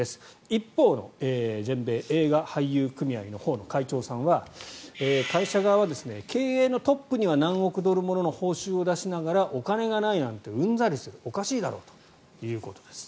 一方の全米映画俳優組合のほうの会長さんは会社側は経営のトップには何億ドルもの報酬を出しながらお金がないなんてうんざりするおかしいだろということです。